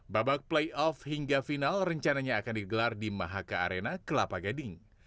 babak playoff hingga final rencananya akan digelar di mahaka arena kelapa gading